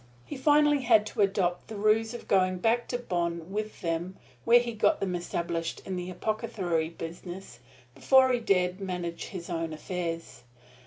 He finally had to adopt the ruse of going back to Bonn with them, where he got them established in the apothecary business, before he dared manage his own affairs.